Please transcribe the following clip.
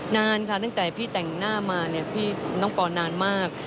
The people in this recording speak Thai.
นานค่ะตั้งแต่พี่แต่งหน้ามาเนี่ยพี่น้องปอนานมาก